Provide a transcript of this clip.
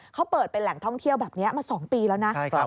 เขาเปิดเป็นแหล่งท่องเที่ยวแบบนี้มา๒ปีแล้วนะ